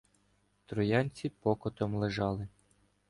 Троянці покотом лежали